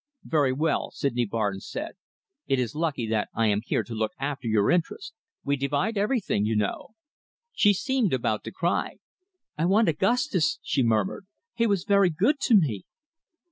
"Very well," Sydney Barnes said. "It is lucky that I am here to look after your interests. We divide everything, you know." She seemed about to cry. "I want Augustus," she murmured. "He was very good to me."